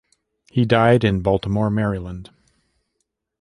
He died in Baltimore, Maryland.